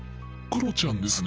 クロちゃんです？